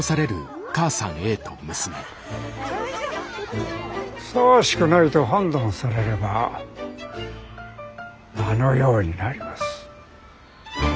ふさわしくないと判断されればあのようになります。